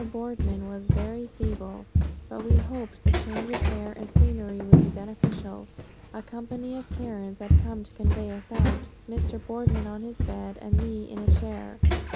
Boardman was very feeble, but we hoped the change of air and scenery would be beneficial. A company of Karens had come to convey us out, Mr. Boardman on his bed and me in a chair.